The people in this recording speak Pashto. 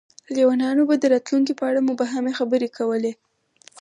لیونیان به د راتلونکي په اړه مبهمې خبرې کولې.